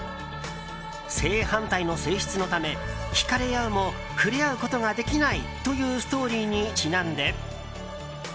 正反対の性質のためひかれ合うも触れ合うことができないというストーリーにちなんで。